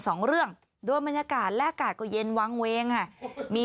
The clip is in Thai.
สองเรื่องโดยบรรยากาศและอากาศก็เย็นวางเวงอ่ะมี